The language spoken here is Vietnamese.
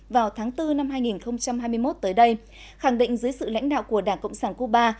vào tháng bốn năm hai nghìn hai mươi một tới đây khẳng định dưới sự lãnh đạo của đảng cộng sản cuba